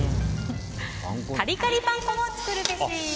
カリカリパン粉を作るべし。